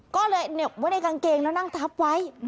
ก็เลยเหน็บไว้ในกางเกงแล้วนั่งทับไว้